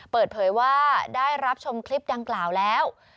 เปิดเผยว่าได้รับชมคลิปดังกล่าวแล้ว